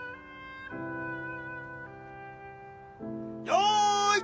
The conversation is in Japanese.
よい。